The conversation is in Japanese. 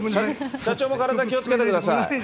社長も体に気をつけてください。